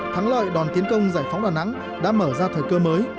thắng lợi đòn tiến công giải phóng đà nẵng đã mở ra thời cơ mới